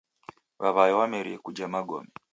W'aw'ae wamerie kuja magome.